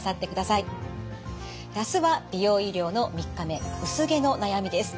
あすは美容医療の３日目薄毛の悩みです。